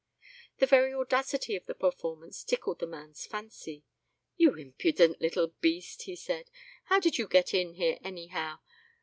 The very audacity of the performance tickled the man's fancy. "You impudent little beast," he said; "how did you get in here, anyhow?